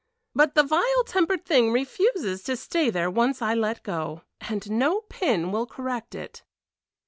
"But the vile tempered thing refuses to stay there once I let go, and no pin will correct it."